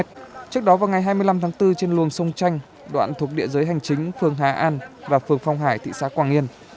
trước đó vào ngày hai mươi năm tháng bốn trên luồng sông chanh đoạn thuộc địa giới hành chính phường hà an và phường phong hải thị xã quảng yên